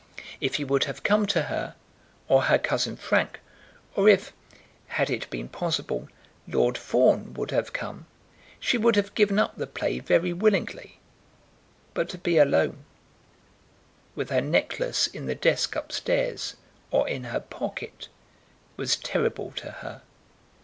If he would have come to her, or her cousin Frank, or if, had it been possible, Lord Fawn would have come, she would have given up the play very willingly. But to be alone, with her necklace in the desk up stairs, or in her pocket, was terrible to her.